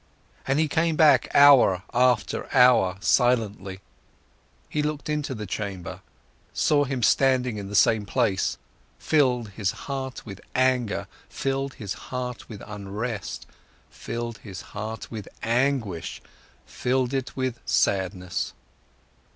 And he came back hour after hour, silently, he looked into the chamber, saw him standing in the same place, filled his heart with anger, filled his heart with unrest, filled his heart with anguish, filled it with sadness.